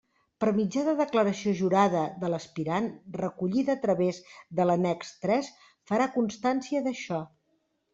Per mitjà de declaració jurada de l'aspirant recollida a través de l'annex tres, farà constància d'això.